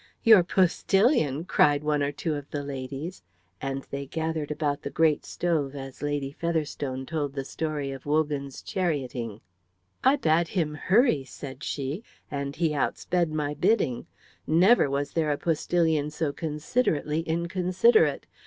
"Your postillion!" cried one or two of the ladies, and they gathered about the great stove as Lady Featherstone told the story of Wogan's charioting. "I bade him hurry," said she, "and he outsped my bidding. Never was there a postillion so considerately inconsiderate.